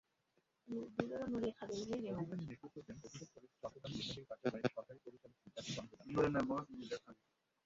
অভিযানে নেতৃত্ব দেন অধিদপ্তরের চট্টগ্রাম বিভাগীয় কার্যালয়ের সহকারী পরিচালক বিকাশ চন্দ্র দাশ।